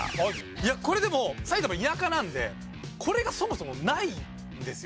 いやこれでも埼玉田舎なんでこれがそもそもないんですよ。